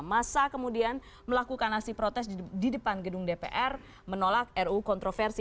masa kemudian melakukan aksi protes di depan gedung dpr menolak ru kontroversi